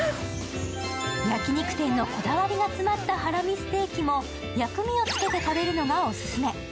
焼肉店のこだわりが詰まったハラミステーキも薬味をつけて食べるのがオススメ。